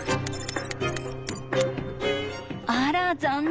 あら残念。